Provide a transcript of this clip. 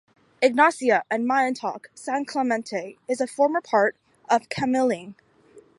Ignacia and Mayantoc, San Clemente is a former part of Camiling.